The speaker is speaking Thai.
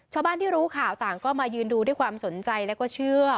ชาวบ้านที่รู้ข่าวต่างก็มายืนดูด้วยความสนใจแล้วก็เชื่อ